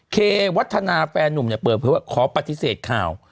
เควัฒนาแฟนนุ่มเนี่ยเปิดเผยว่าขอปฏิเสธข่าว